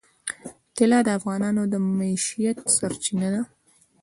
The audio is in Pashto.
طلا د افغانانو د معیشت سرچینه ده.